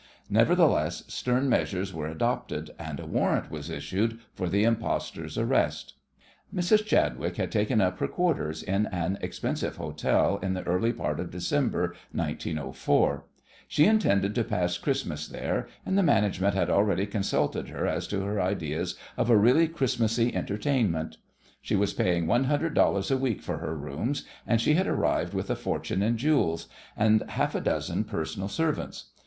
Nevertheless, stern measures were adopted, and a warrant was issued for the impostor's arrest. Mrs. Chadwick had taken up her quarters in an expensive hotel in the early part of December, 1904. She intended to pass Christmas there, and the management had already consulted her as to her ideas of a really Christmasy entertainment. She was paying one hundred dollars a week for her rooms, and she had arrived with a fortune in jewels, and half a dozen personal servants.